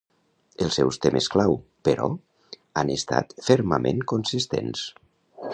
Els seus temes clau, però, han estat fermament consistents.